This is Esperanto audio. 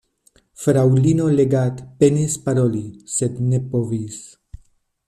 Fraŭlino Leggat penis paroli, sed ne povis.